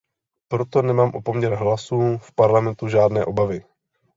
Proto nemám o poměr hlasů v Parlamentu žádné obavy.